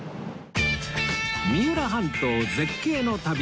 三浦半島絶景の旅